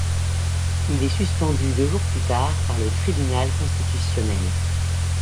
Il est suspendu deux jours plus tard par le Tribunal constitutionnel.